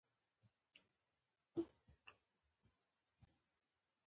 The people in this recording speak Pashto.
لاسپوڅو حکومتونو سیریلیون سخت اغېزمن او بدل کړ.